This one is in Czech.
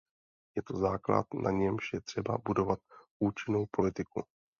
Je to základ, na němž je třeba budovat účinnou politiku.